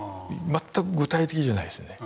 全く具体的じゃないですよね。